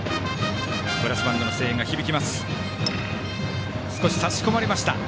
ブラスバンドの声援が響きます。